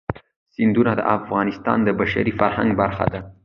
سیندونه د افغانستان د بشري فرهنګ برخه ده.